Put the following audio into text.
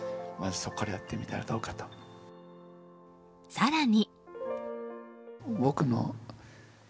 更に。